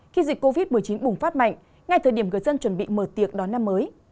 khi dịch covid một mươi chín bùng phát mạnh ngay thời điểm người dân chuẩn bị mở tiệc đón năm mới